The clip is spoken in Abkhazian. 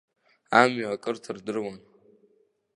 Амҩа акырҭа рдыруан.